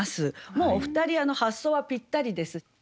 もうお二人発想はぴったりです。